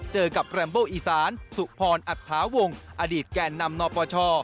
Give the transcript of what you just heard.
เจอกับแรมโบอีสานสุพรอัฐาวงอดีตแก่นำนปช